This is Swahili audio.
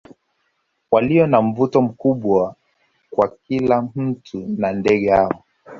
Walio na mvuto mkubwa kwa kila mtu na ndege hao